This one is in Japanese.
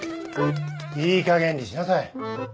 いいかげんにしなさい。